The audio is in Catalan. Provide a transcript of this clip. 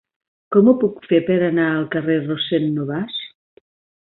Com ho puc fer per anar al carrer de Rossend Nobas?